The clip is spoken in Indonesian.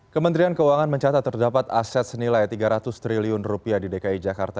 kementerian keuangan mencatat terdapat aset senilai tiga ratus triliun rupiah di dki jakarta